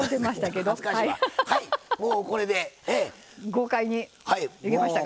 豪快にできましたか？